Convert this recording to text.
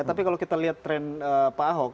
tapi kalau kita lihat tren pak ahok